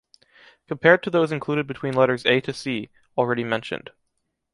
Compared to those included between letters a) to c) already mentioned.